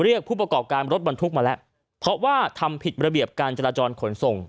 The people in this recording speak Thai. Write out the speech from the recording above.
เรียกผู้ประกอบการรถบรรทุกมาแล้วเพราะว่าทำผิดระเบียบการจราจรขนส่ง